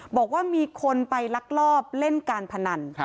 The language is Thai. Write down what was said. บอกว่ามีคนไปลักลอบเล่นการพนัน